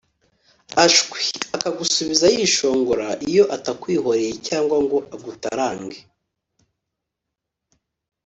Ashwiiiii akagusubiza yishongora iyo atakwihoreye cyangwa ngo agutarange